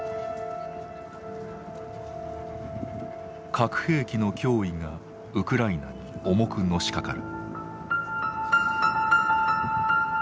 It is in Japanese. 核兵器の脅威がウクライナに重くのしかかる。